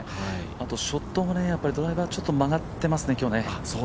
あとショットもドライバー、ちょっと曲がってますね、今日。